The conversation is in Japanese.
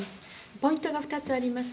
ポイントが２つあります。